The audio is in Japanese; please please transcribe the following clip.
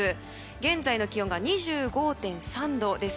現在の気温が２５．３度です。